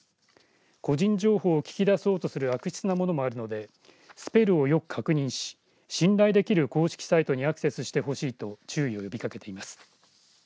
個人情報を聞き出そうとする悪質なものもあるのでスペルをよく確認し信頼できる公式サイトにアクセスしてほしいと注意を呼びかけています。